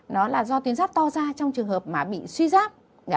nó là do tiến giáp to ra trong trường hợp mà bị suy giáp